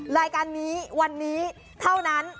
รายการนี้วันนี้เท่านั้น